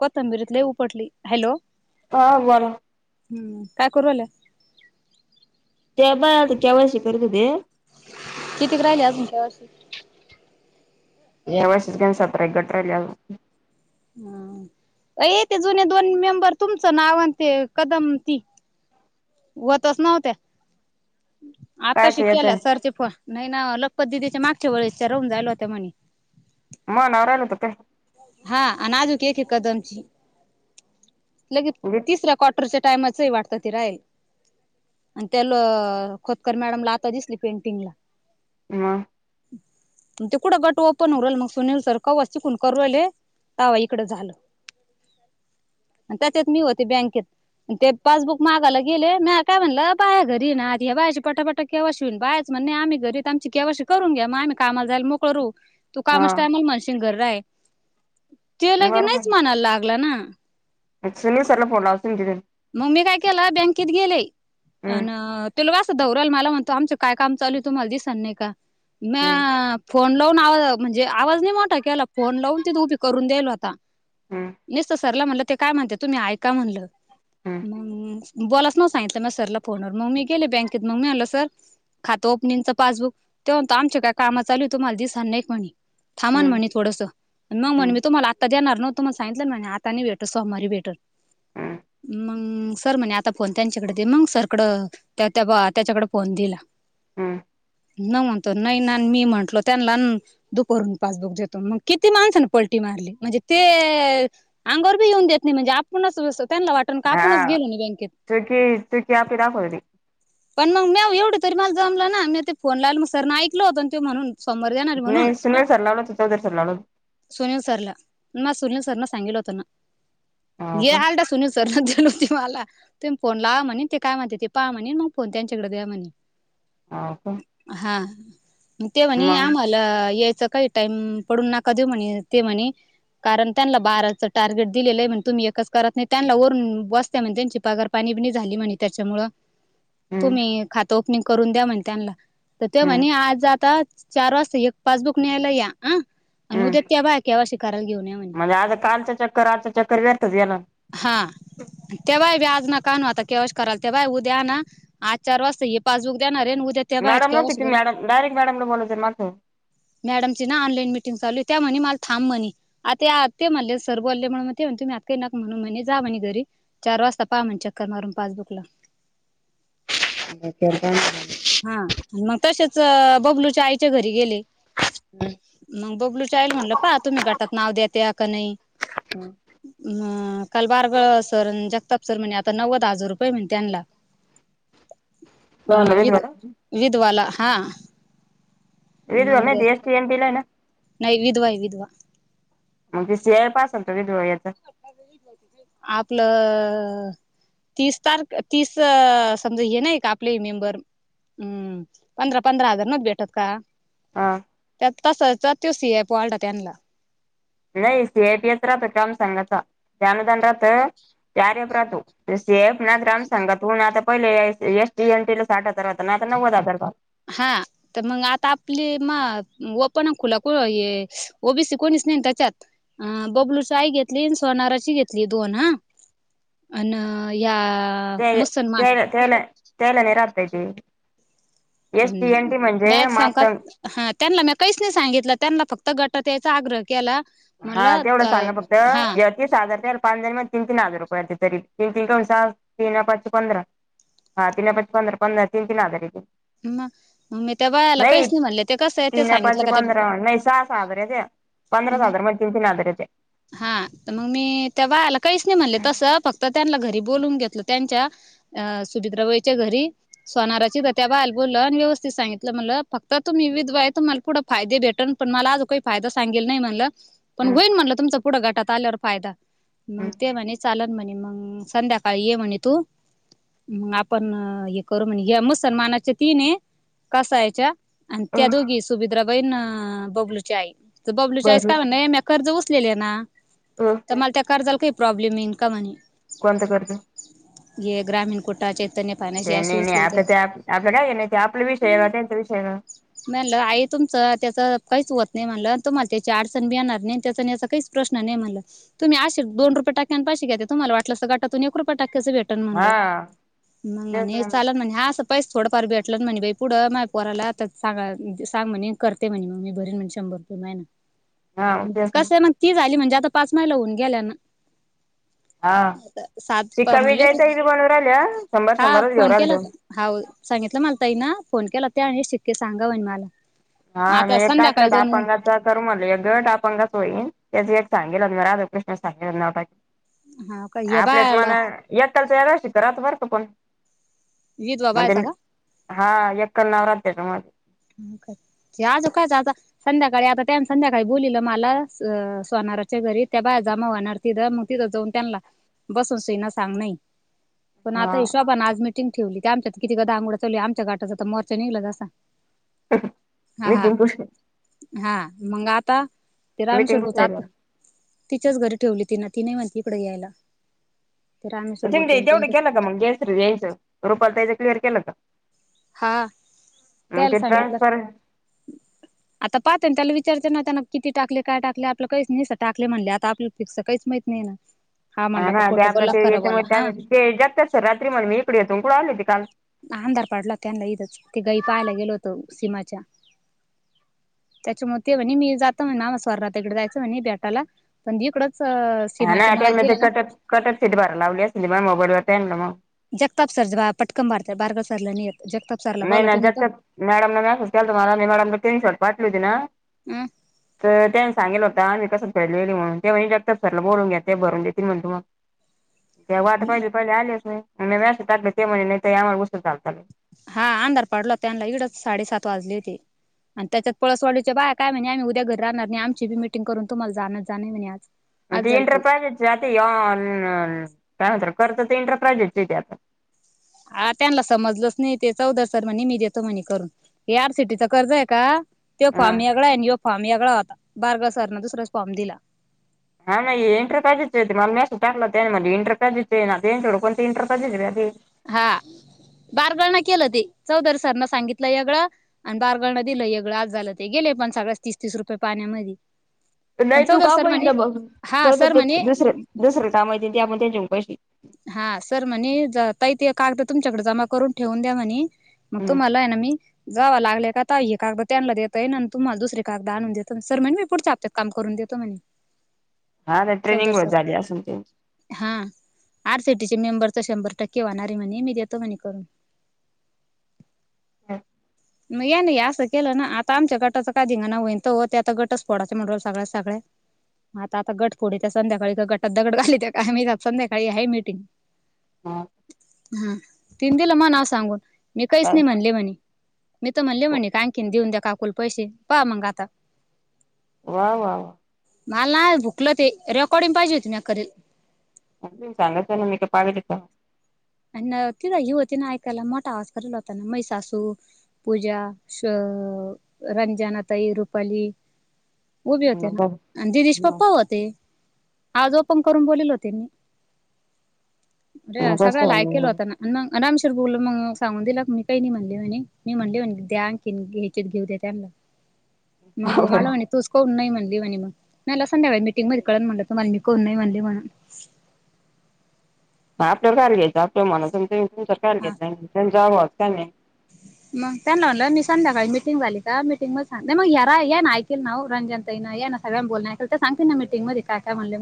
कोथंबीरीत लय उपटली हॅलो. हा बोला. हम्म काय करू रायल्या. ते बग के वायसी करीत होते. कितीक राहिले अजून तर? ए वर्षच घन सत एक घट्रली. हम य ते जुने दोन मेंबर तुमचं नाव आणते कदम ती होतच नव्हत्या आता कायच श याच केल्या सरचे फोन नाही ना लखपत दिदीच्या मागच्या वेळेसच्या राहून जायल होत्या म्हणी. मग नाव राहिल त ते हा अनाजक एक एक कदमची ल गीत तिसरा कॉट मॉटरच्या टामाचही वाटत ति राहील. आणि त्याला खोतकर मॅडमला आता दिसली पेंटिंगला ह म तेे कुड गट ओपन होगरल मग सुनील सर कववा चिकुन करले. तावा इकड झालं त्याच्यात मी होते बँकेत. ते पासबुक मागायला गेले म काय म्हणलं बाया घरी ना आ बायचे पटापट केव्हाशी होऊन बाहेचणणे नाही आम्ही घरी आमची केववाशी करून घ्या मगम्ही कामाला जाय मोकळ रहू. तू हा काम असताायमला मानसेंग घर आहे. ते लगे नाहीच म्हनायला लागला ना सुनी सरला फोनला अस तन मग मी काय केलं बँकेत गेले अ हम्म तुलां दौराल मला म्हणतो आमचं काय काम चालू तुम्हाला दिसन नाही का म. हम्म फोन लावून आवाज म्हणजे आवाज नाही मोठा केला फोन लावून तिथ उभी करून दलो आता हम्म नसत सरला म्हणलं ते काय म्हणते तुम्ही ऐ का म्हणलं. हम्म मग बोलाच ना सांगितलं म सरला फोनवर मग मी गेले बँकेत मग मी आणल सर. खातं ओपनिंगचं पासबुक तेव्हात आमच्या काय काम चालू हो तु मला दिसणार नाही म्हणे. थांमाण हम्म म्हणे थोडसं मग म्हण म हम्म तुम्हाला आता जाणार नत. त मग सांितलं ना नाही आता न भेट सोमवारी भेटत. हम्म मग सर म्हणे आता फोन त्यांच्याकडे दे मग सरकडं त्या त्याच्याकडे फोन दिला. हां न म्हणतो नाही ना मी म्हंटलो त्यांना दुपरून पासबुक देतो मग किती माणसाने पलटी मारली म्हणजे ते अंगोर बी येऊन देत नाही म्हणजे आपणच त्यांना वाटत. हा सुूकी सुुकी आपी दखव ती-' पण मग मी एवढं तरी मला जमलं ना मी ते फोन लावल मग सरने ऐकलं होतं आणि ते म्हणून सोमर जाणार म्हणून नाही सुनील सर लावला होता चौधरी सर लावला होता सुनील सरला म सुनील सर ना सांगितल होत ना हो का आ सर्न होती मला तुम्ही फोन ला म्हणे ते काय म्हणते ते पहा म्हणे मग फोन त्यांच्याकडे द्या म्हणे हा का हा म ते म्हणी मग आम-' ला यायचं काही टाइम पडून नाका देऊ म्हणे ते म्हणे. कारण त्यांना बाराचं टार्गेट दिलेलं आहे म्हण तुम्ही एकच करत नाही. त्यांना वरून बसत म्हणे त्यांची पगार पाणी बि झाली म्हणे त्याच्यामु हम्म तुम्ही खातो. करून द्या म्हणे त्यांना तर ते हम्म म्हणे आज आ चार वाजता एक पासबुक न्यायला या अं आणि उद्याेत त्या बा केव्हा शिक कराायला घेऊन या म्हणे. आज कालच्या चक्र चकर वरतात याला. हा तेव्हाय व्याज न कान आता केवश कराला तेव्हा उद्या ना. आज चार वाजता हे पासबुक देणारे न उद्या त्या बायाची मॅडम नव्हती का केवायसी ती करून मॅडम डायरेक मॅडमला बोलायचं ना माघ जाऊन मॅडमची ना ऑनलाईन मिटिंग चालू आहे त्या म्हणे मला थांब म्हणे आत ये आत ये म्हणले सर बोलले म्हणून म ते म्हणे तुम्ही आत ये नक् म्हणून म्हणे जा म्हणे घरी चार वाजता पाहा म्हणे चक्कर मारून पासबुक ला अता [unintelligible] [inaudible] हा मग तशेच बबलूच्या आईच्या घरी गेले [unintelligible] मग बबलू आईला म्हणलं पा तुम्ही गटात नाव द्यात्या या का नाही हम [inaudible] [unintelligible] अ काल बारगळ सर अन् जगताप सर म्हणे आता नव्वद हजार रुपये म्हणे त्यांना अ भाऊंला विध घेतला का विधवाला हा इडला मग नये का एसटी एम पी लाय ना नाही विधवाय विधवा मग ते सियाळ पासून तरी धुळे येतं आपलं तीस तारख तीस समजा हे नाय का आपले हे मेंबर हम्म पंधरा पंधरा हजार नव्हतं भेटत का हा तर तस तो सी एफ वाढला त्यांला नाही सीएट येत राहतो काम सांगण्याचा ते अनुदान राहतं ते आर एफ राहतो सीफ ना ग्रामसंघातून आता पहिले या एस टी एन टी ला साठ हजार होता ना आता नव्वद हजार झाला. हा तर मग आता आपली म ओपन अन् खुला कु ये ओबीसी कोणीच नाही त्याच्यात अ बबलूची आई घेतली आणि सोनाराची घेतली दोन हा अन या ते त्यायला त्यायला त्यायला नाही राहत बाई [unintelligible] एस टी एन टी म्हणजे बॅट मात सांगकात हा त्यांला म्या काहीच नाही सांगितलं त्यांला फक्त गटात यायचा आग्रह केला हा म्हणलं तेवढं अ सांगा फक्त हा [unintelligible] तीस हजार त्याला पाच जणीमध्ये तीन तीन हजार रुपये येत्या तरी तीन तीन दुन सहा तीन पाचे पंधरा हा तिना पाचे पंधरा पण ना तीन तीन हजार येतील. मग मी त्या बायाला नाही काहीच म्हणले ते कसं आहे ते तीना सांगितलं पाचे का पंधरा ते नाही सहा सहा हजार येत्याय. पंधराच हजारमध्ये तीन तीन हजार येत्या. हा तर मग मी त्या बायाला काहीच नाही म्हणले तसं फक्त त्यांना घरी बोलून घेतलं त्यांच्या अ सुभित्राबाईच्या घरी सोनारच्या इद त्या बायाला बोललं आणि व्यवस्थित सांगितलं म्हणलं फक्त तुम्ही विधवाये तुम्हाला पुढं फायदे भेटल पण मला आजून काही फायदा सांगेल नाही म्हणलं पण हम्म व्हईन म्हणलं तुमचा पुढं गटात आल्यावर फायदा मग हम्म ते म्हणे चालन म्हणे मग संध्याकाळी ये म्हणे तू मग आपण हे करू म्हणे मस् सन्मानाच्या तीनये कसायच्या आणि त्या अ दोघी सुभद्राबाईन बबलू.. च्या आई तर बबलूची आईचं बर काय म्हणे म्या कर्ज उचलेले ना अं तर मला त्या का कर्जाला काही प्रॉब्लेम येईन का म्हणे कोण करत. हे ग्रामीण कुट चैतन्य. फायनान्स हे ते असे नाही नाही उचलेल आपता ते आपलं काय आहे नाही ते आपला विषय आहे ना त्यांचा विषय ना. म्हणलं आई तुमचं त्याचं काहीचवत नाही म्हणलं तुम्हाला त्याची आडचण बी आणणार नाही आणि त्याचं असं काही. प्रश् नाही मला तुम्हीश दोन रुपे टक्यां पाैशी घेते तु्हाला वाटलंत गटातून एक रुप टक्याच भे म्हणलं हा मंग तेच म्हणे ना चाल म्हणज हा. पस थोडंफार भेटल म्हणणीबाई पुढं माय पोराला आ सांग सांग म्हणे करते म्हणे मग मी भरन म्हण शंभर रुपये माहि ना हा तेच ना कसं आहे म्हण. ती झाली म्हणजे आता पाच महिला होऊन गेल्या ना. हा ता सात शिक्का म्हणले हो विजयचाही बी बनवू राहिल्या शंभर हा शंभरच घेऊ फोन राहिल तो केलाता. हा सांगितलं मला तई ना फोन केला ते आणि शिक्के सांगा म्हणे मला. हा आता नाही टाटलं संध्याकाळी दहा जाऊन पंगाचा म्हले गट आपण कस होईन त्याच एक सांगेल राधाकृ् सगेल. हा का या आपल्याच बायाला मना याताच याशी तर आत वरच पण विधवा म्हणजे. बायचा हा एकल नाव राहत त्यांच्यामध्ये मग काय ते आजूक काय जाता. संध्याकाळी आता त्याने संध्याकाळी बोललीलं मला अ सोनारच्या घरी त्या बाया जामा वहणार. तिथं मग तिथं जाऊन त्यांना बसून सईना सांग नही. पण आता हा हे शोभा ने आज मिटिंग ठेवली त्या आमच्यात किती गदा आनगोडा चालू ये आमच्या गटाचा आ मोर्चा निघला जसा [inaudible] हा हा नितीन कृष्ण हा मंग आता ते नितीन रामशर बुच कृष्णला आता तिच्याच घरी ठेवली तिना ती नाही म्हणती इकडे यायला. ते रामेश्वर जिमी भाऊचे तेवढं त्यांच्या केलं का मग गॅस यायचं रुपाली ताईच क्लिअर केलं का हा न त्याला ते सांगितलं ट्रानसफर आता पाहते ना त्याला विचारते ना त्यांना किती टाकले काय टाकले आपलं काहीच नाही टाकले म्हणले आता आपलं फिक्स काहीच माहित नाही ना हा म्हणला का ना खोटं त्या बोला ते खरं बोला हा यांच्यामुळे ते जगत अस रात्री म्ह मी इकडे येतोकडं आले होते काल अंधार पाडला त्यांना इथंच ते गई पाहायला गेलो होतो सीमाच्या त्यांच्यामुळे ते म्हणी मी जातो म्हण आम्हाला स्वर्णा आत्या कडे जायचं म्हणे भेटायला. पण इकडंच हा ना सीमाच्या मळ्यात त्यांना गेले ना कटक कटक सिट भर लावली असती मग मोबाईलवर त्यांना ना मग जगताप सरज पटकन भरतात बारगाव सरला नही येत जगताप सरला नाही बोला ना तुम्ही जगताप मॅडमने मॅसेस केलाता मला मी मॅडमला स्क्रीनशॉट पाठवेल ना. हं तर त्यांनी सांगेल होता आम्ही कस फेडले म्हणून ते म्हणे जगताप सरला बोलून घ्या ते भरून देतील म्हणे तुम्हाला त्या वाट अ पहिले पहिले आलेच नाही मा मेसेज टाकला ते म्हणे नाही ताई आम्हाला उशीर झाला. हा अंधार पडला हो त्यांना इडच साडेसात वाजले होते. आणि त्याच्यात पळसवाडीच्या बाय काय म्हणे आम्ही उद्या घरी राहणार नाही आमचीटिंग करून तुम्हाला जाण जाण म्हणे आज मग आज ते झालती इंटरपाजेक्ट काय होत करत ते इंटरपाजेक्ट येते आता हा त्यांना समजलंच नाही ते चौधरी सर म्हणे मी देतो म्हणे करून. या आड सिटीच कर्ज आहे का तो ह फॉ्म यागळा आणििो फॉ्म यागळा होता बारगाव सरन दुसरा फॉ्म दिला. हा ना एंटर पाहिजेच मला मॅस टाकलं त्या म इंटर पाहिजेच ना कोण इंटर पाहिजेच ते हा बारगळ ना केलं ते चौधरी सरन सांगितलं यागळं आणि बारगळ दिलं एगळं आज झालं ते गेले पण सगळ्या तीस तीस रुपये पाण्यामध्ये. पण नाही तू चौधरी काम सर येईल म्हणे ना बघ च हा तर सर ते म्हणे दुसरे दुसरे काम होतील ते आपण त्यांच्या पैसे. हा सर म्हणे ताई ते कागद तुमच्याकडे जमा करून ठेवून द्या म्हणे. मत हम्म तुम्हाला एन मी. जावं लागले का ताई हे कागद त्यांना देत आहे ना आणि तुम्हाला दुसरी कागदा आणून देतो सर म्हण मी पुढच्या. ते काम करून देतो म्हणे. हा ना चौधरी ट्रेनिंग व सर झाली असल त्यांची. हा, आर सीटीचे मेंबर तर शंभर टक्के वहणार आहे म्हणे मी देतो म्हणे करून. [inaudible] म या नाही असं केलं ना आता आमच्या गटाचं कायधिंगा ना होईन तो हो आता गटच फोडायं म्हणो राहिल्या सगळ्या सगळ्या. आता आता गट पुढे त्या संध्याकाळी का गटात दगड झाली त्या का मी संध्याकाळी आहे मिटिंग. हा हा तीन दिला महा नाव सांगून मी काहीच काय नाही म्हणले म्हणे. मी तर म्हणले म्हण का आणखीन देऊन द्या काकुला पैसे पहा मग आता. वा वा वा. मला नाही भुकलं ते रेकॉर्डिंग पाहिजे होती मी करेल. अग तिने सांगाच ना मी का पागल हाय का. आणि तिलां युवतीने ऐकायला मोठा आवाज कला होताना मै सासू. पूजा श रंजन ताई रुपाली. उभी होते ना दिदिचे पप्पा होते. आजोपण करून बोललेल होते मी अरे मग कस सगळ्याला ऐकलं होताना. मग अरामशीर बोल मग सांगून दिला मी काही नाही म्हणली म्हणे मी म्हणली म्हणे ते आण. तिने के घ्याचेत घेऊ दे त्यांना. [inaudible] मग बऊ मलाणे तूच. कोऊ नई म म्हणली मला संध्याकळी मीटिंग मध्ये कळणं म्हणत म मी कोऊ नाही म म्हणली म्हनं. आपलं कार घ्यायचं आपल्या मनाच कार घेत हा नाही जाच का नाही. मग त्यांना म्हटलं मी सांध्याकाळी मिटिंग झाली का मीटिंग म सांग मग यारा या ना ऐकल ना रंजन तई या ना. सगळ बोलय तर सांगते ना मीटिंग मध्ये काय म्हणले.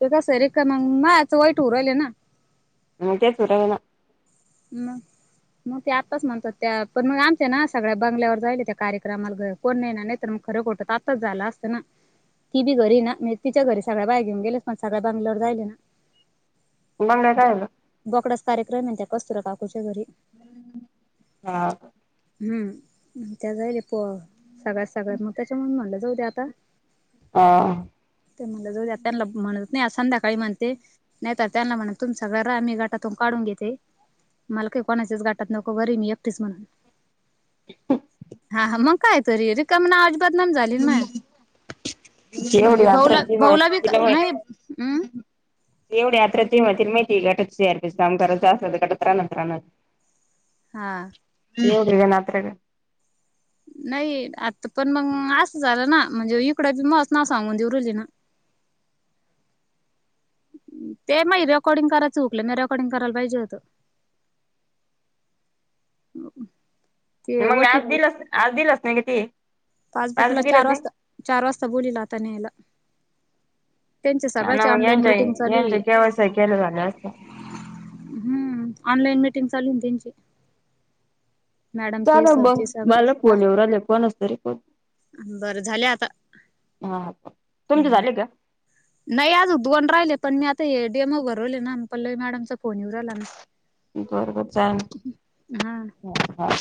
ते कसा आहे रिकाम होऊन मां वाईट होऊ राहिले ना. मग तेच होऊन राहिली ना. मग मग ते आत्ताच म्हणतात त्या पण मग आमच्या ना सगळ्या बंगल्यावर जायले त्या कार्यक्रमाला. कोण नाही ना नाही तर मग खरं कोठं आत्ताच झालं असतं ना. ती बी घरी ना नाय तिच्या घरी सगळे बाय घेन गेलेतण सळळे बंगल्यावर जायले ना. बंगल्यावर काय झालं. बोकडाचा कार्यक्रम आहे त्या कस्तुरा काकूच्या घरी. हा हा, हम त्या घरी पवा. सगळ्यात सगळ्यात मग त्याच्यामुळेन म्हणलं जाऊते आता. हा, ते म्हण जाऊद्या त्यांना म्हणत नाही संध्याकाळी म्हणते. नाही तर त्यांना म्हणा तुम्ही सगळ्या घरा मी गटातून काढून घेते. मला काही कोणाच्याच गाटात नको बरी मी एकटच म्हणून हा हा मग. काय तरी रिकाम ना आज बदनाम झाली मया. जवढ यात त म तला [inaudible] नाही हम्म एवढ या [unintelligible] हा. [unintelligible] नाही. आता पण मग असं झालं ना? म्हणजे इकड बी माझं नाव सांगून देऊ राह्यले ना. ते माही रेकॉर्डिंग कराच हुकलं. मी रेकॉर्डिंग करायला पाहिजे होत. ते मग ओटी आज दिलस. आज दिलस नाही का ते? ‌ आज पासबुकला बी चार दिलंच नाही वाजता, चार वाजता बोलीवल आता न्यायला. त्यांच्या हा ना सगळ्याची मग ऑनलाईन यांच्या मीटिंग चालुये. यांच्या केवायसी केलं झालं असतं हम्म. ऑनलाईन मीटिंग चालूये ना त्यांची. मॅडमची, सरची सगळे. हा. पहिले कोणाचे तरी पाहू. बरं झाले आता हा. हा. पाहू. तुमचे हम्म. झाले का? नाही आजुक दोन राहिले. पण मी आता डेमो भरवले ना? पल्लवी मॅडमचा फोन येऊ रायला ना. बरोबर. [unintelligible] हा. हा.